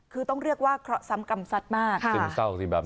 คือต้องเรียกว่าเขาซ้ำกรรมสัตว์มากค่ะ